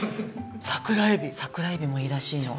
桜エビもいいらしいの。